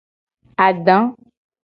Ada.